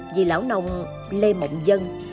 vì lão nồng lê mộng dân